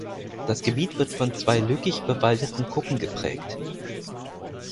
Das Gebiet wird von zwei lückig bewaldeten Kuppen geprägt.